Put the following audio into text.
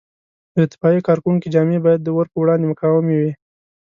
د اطفایې کارکوونکو جامې باید د اور په وړاندې مقاومې وي.